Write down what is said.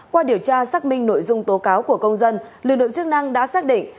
qua điều tra xác minh nội dung tố cáo của công dân lực lượng chức năng đã xác định